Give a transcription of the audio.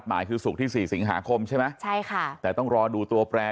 หมายคือศุกร์ที่สี่สิงหาคมใช่ไหมใช่ค่ะแต่ต้องรอดูตัวแปร